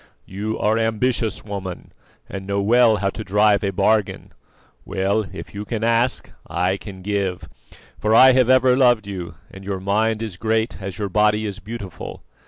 "You are ambitious, woman, and know well how to drive a bargain. Well, if you can ask, I can give, for I have ever loved you, and your mind is great as your body is beautiful.